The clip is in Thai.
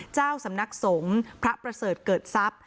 เจ้าสำนักสงฆ์พระประเสริฐเกิดทรัพย์